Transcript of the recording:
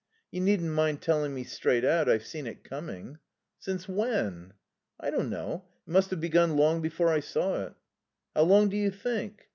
You needn't mind telling me straight out I've seen it coming." "Since when?" "I don't know. It must have begun long before I saw it." "How long do you think?"